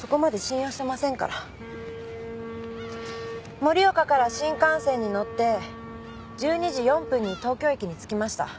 盛岡から新幹線に乗って１２時４分に東京駅に着きました。